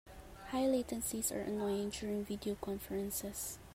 High latencies are annoying during video conferences.